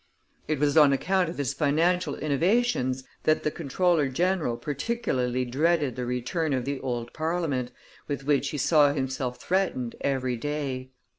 It was on account of his financial innovations that the comptroller general particularly dreaded the return of the old Parliament, with which he saw himself threatened every day.